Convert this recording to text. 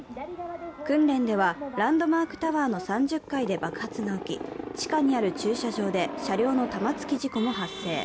訓練では、ランドマークタワーの３０階で爆発が起き、地下にある駐車場で車両の玉突き事故も発生。